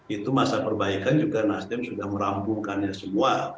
itu masa perbaikan juga nasdem sudah merampungkannya semua